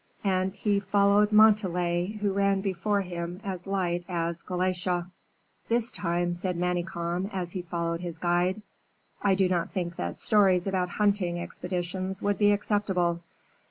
And he followed Montalais, who ran before him as light as Galatea. "This time," said Manicamp, as he followed his guide, "I do not think that stories about hunting expeditions would be acceptable.